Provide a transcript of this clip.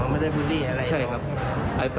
อ๋อไม่ได้บุรีอะไรหรือครับใช่ครับ